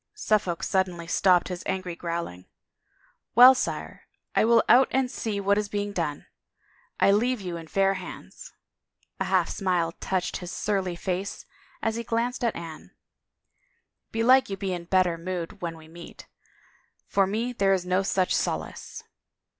Suffolk suddenly stopped his angry growling. " Well, sire, I will out and see what is being done. I leave you in fair hands," — a half smile touched his surly face as he glanced at Anne •^" belike you be in better mood when we meet. For me there is no such solace."